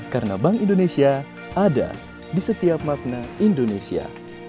karena bank indonesia ada di setiap makna indonesia